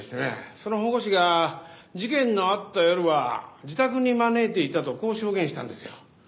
その保護司が事件のあった夜は自宅に招いていたとこう証言したんですよ。